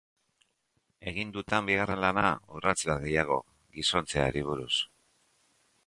Egin dutan bigarren lana, urrats bat gehiago gizontzeari buruz.